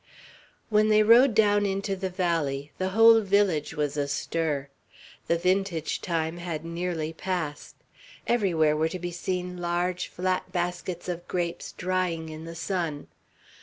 When they rode down into the valley, the whole village was astir. The vintage time had nearly passed; everywhere were to be seen large, flat baskets of grapes drying in the sun.